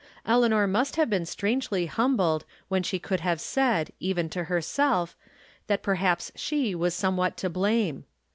.Eleanor must have been strangely humbled when she could have said, even to her self that perhaps she was somewhat to blame.